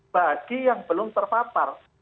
bagi yang belum terpapar